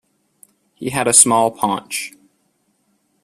He had a small paunch.